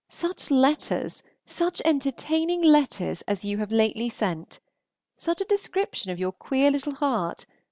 Such letters, such entertaining letters, as you have lately sent! such a description of your queer little heart!